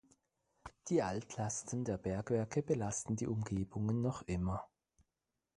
Die Altlasten der Bergwerke belasten die Umgebungen noch immer.